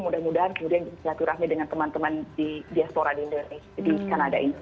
mudah mudahan kemudian silaturahmi dengan teman teman di diaspora di kanada ini